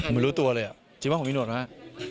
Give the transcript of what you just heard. ผมรู้ตัวเลยจริงว่าผมมีหนวดมั้ย